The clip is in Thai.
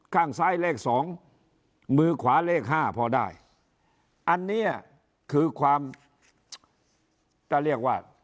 ข้างซ้ายเลขสองมือขวาเลขห้าพอได้อันเนี้ยคือความถ้าเรียกว่า